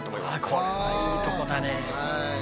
これはいいとこだね。